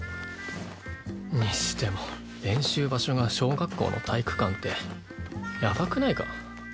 にしても練習場所が小学校の体育館ってやばくないか？